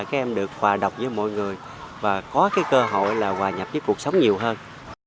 các em được hòa đọc với mọi người và có cái cơ hội là hòa nhập với cuộc sống nhiều hơn